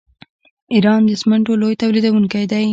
ایران د سمنټو لوی تولیدونکی دی.